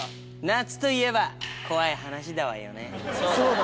夏といえば怖い話だわよね。